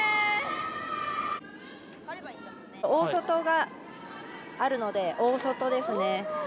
大外があるので大外ですね。